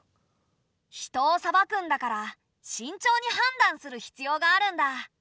人を裁くんだからしんちょうに判断する必要があるんだ！